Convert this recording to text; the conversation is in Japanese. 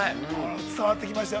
伝わってきました。